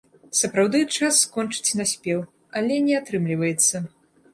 Сапраўды, час скончыць наспеў, але не атрымліваецца.